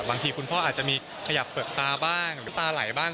บางทีคุณพ่ออาจจะมีขยับเปลือกตาบ้างหรือตาไหลบ้าง